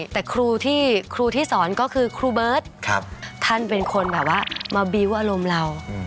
แต่ครูที่ครูที่สอนก็คือครูเบิร์ตท่านเป็นคนแบบว่ามาบิวต์อารมณ์เรา